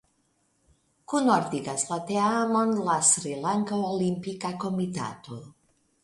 Kunordigas la teamon la Srilanka Olimpika Komitato.